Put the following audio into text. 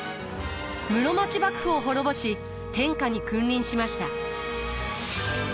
室町幕府を滅ぼし天下に君臨しました。